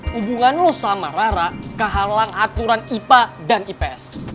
hubungan lo sama rara kehalang aturan ipa dan ips